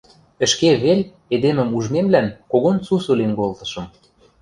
Ӹшке вел эдемӹм ужмемлӓн когон сусу лин колтышым.